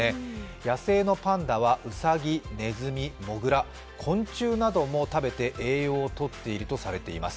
野生のパンダはうさぎ、ねずみ、もぐら、昆虫なども食べて栄養をとっているとされています。